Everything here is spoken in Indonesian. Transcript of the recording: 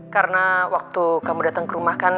karena waktu kamu datang ke rumah kan